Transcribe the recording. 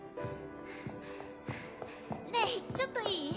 レイちょっといい？